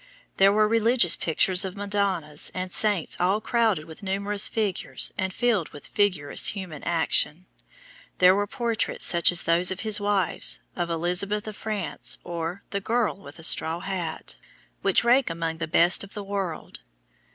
There were religious pictures of Madonnas and saints all crowded with numerous figures and filled with vigorous human action. There were portraits such as those of his wives, of Elizabeth of France, or "The Girl with a Straw Hat," which rank among the best of the world.